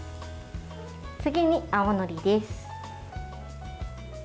次に青のりです。